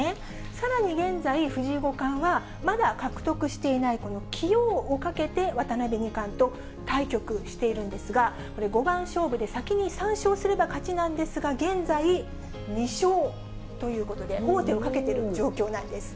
さらに現在、藤井五冠はまだ獲得していないこの棋王をかけて、渡辺二冠と対局しているんですが、五番勝負で先に３勝すれば勝ちなんですが、現在、２勝ということで、王手をかけている状況なんです。